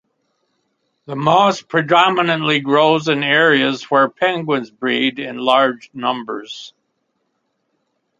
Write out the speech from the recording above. The moss predominantly grows in areas where penguins breed in large numbers.